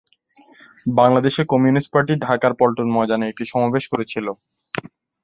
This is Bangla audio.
বাংলাদেশের কমিউনিস্ট পার্টি ঢাকার পল্টন ময়দানে একটি সমাবেশ করছিল।